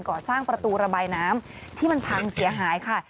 ก่อสร้างประตูระบายน้ำที่มันพังเสียหายค่ะ